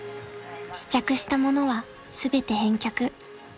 ［試着したものは全て返却］